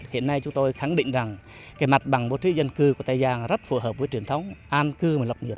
hiện nay chúng tôi khẳng định rằng cái mặt bằng bố trí dân cư của tây giang rất phù hợp với truyền thống an cư và lập nghiệp